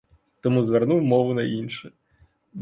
Тому звернув мову на інше.